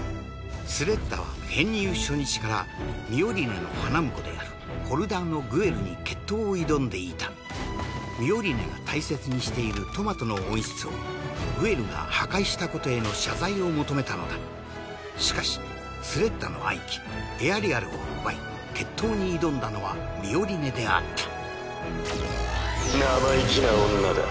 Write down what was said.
スレッタは編入初日からミオリネの花婿であるホルダーのグエルに決闘を挑んでいたミオリネが大切にしているトマトの温室をグエルが破壊したことへの謝罪を求めたのだしかしスレッタの愛機エアリアルを奪い決闘に挑んだのはミオリネであった生意気な女だ。